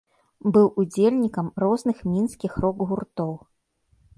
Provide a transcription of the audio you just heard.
Быў удзельнікам розных мінскіх рок-гуртоў.